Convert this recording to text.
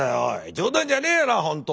冗談じゃねえやな本当。